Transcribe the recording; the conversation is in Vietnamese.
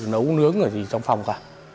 nấu nướng ở gì trong phòng cả